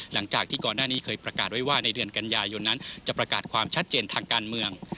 หลังจากที่ก่อนหน้านี้เคยประกาศไว้ว่าในเดือนกันยายนนั้นจะประกาศความชัดเจนทางการเมือง